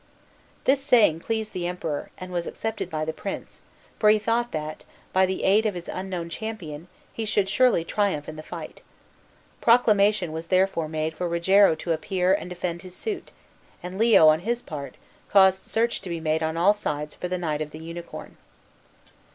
This saying pleased the Emperor, and was accepted by the prince, for he thought that, by the aid of his unknown champion, he should surely triumph in the fight. Proclamation was therefore made for Rogero to appear and defend his suit; and Leo, on his part, caused search to be made on all sides for the knight of the Unicorn.